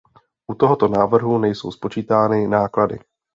U tohoto návrhu nejsou spočítány náklady.